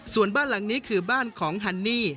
ส่วนบ้านหลังนี้คือบ้านของฮันนี่